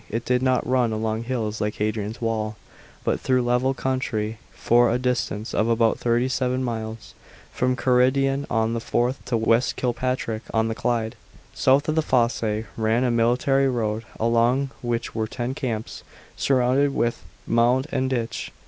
It did not run along hills, like Hadrian's wall, but through level country, for a distance of about thirty seven miles, from Carridden on the Forth to West Kilpatrick on the Clyde. South of the fosse ran a military road, along which were ten camps, surrounded with mound and ditch.